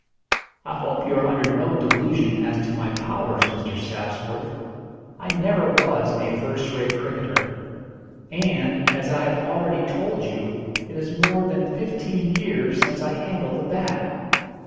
"I hope you are under no delusion as to my powers, Mr. Sapsworth. I never was a first rate cricketer, and, as I have already told you, it is more than fifteen years since I handled a bat."